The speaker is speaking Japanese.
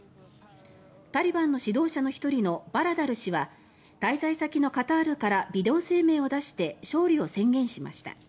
タリバンの指導者の１人のバラダル師は滞在先のカタールからビデオ声明を出して勝利を宣言しました。